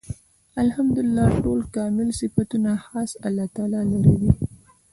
الحمد لله . ټول کامل صفتونه خاص الله تعالی لره دی